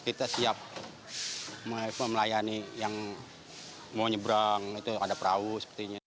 kita siap melayani yang mau nyebrang itu ada perahu sepertinya